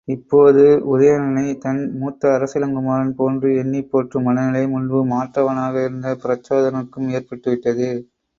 இப்போது உதயணனைத் தன் மூத்த அரசிளங்குமரன் போன்று எண்ணிப் போற்றும் மனநிலை, முன்பு மாற்றவனாக இருந்த பிரச்சோதனனுக்கு ஏற்பட்டுவிட்டது.